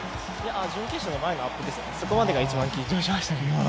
準決勝の前のアップまでが一番緊張しましたね。